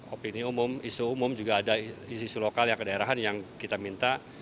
opini umum isu umum juga ada isu isu lokal yang kedaerahan yang kita minta